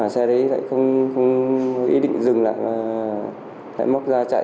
xe đấy lại không ý định dừng lại lại móc ra chạy